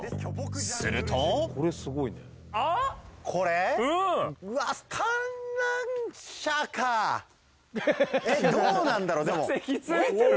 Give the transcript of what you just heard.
するとえっどうなんだろう？でも。